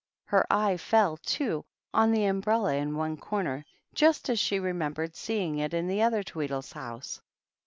Her eye fell, too, on the um brella in the corner, just as she remembered see ing it in the other Tweedle's house.